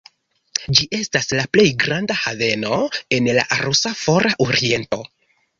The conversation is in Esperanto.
Ĝi estas la plej granda haveno en la rusa Fora Oriento.